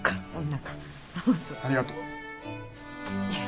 ありがとう。いや。